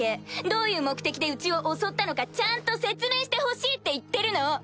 どういう目的でうちを襲ったのかちゃんと説明してほしいって言ってるの！